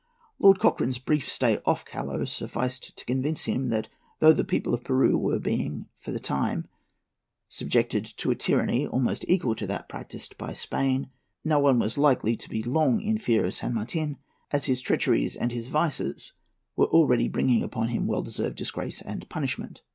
Lord Cochrane's brief stay off Callao sufficed to convince him that, though the people of Peru were being for the time subjected to a tyranny almost equal to that practised by Spain, no one was likely to be long in fear of San Martin, as his treacheries and his vices were already bringing upon him well deserved disgrace and punishment.